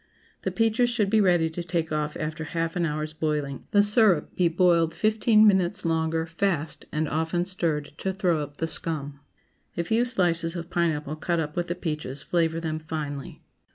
The peaches should be ready to take off after half an hour's boiling; the syrup be boiled fifteen minutes longer, fast, and often stirred, to throw up the scum. A few slices of pineapple cut up with the peaches flavor them finely.